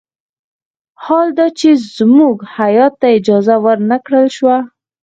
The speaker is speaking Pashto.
حال دا چې زموږ هیات ته اجازه ور نه کړل شوه.